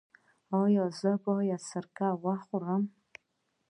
ایا زه باید سرکه وخورم؟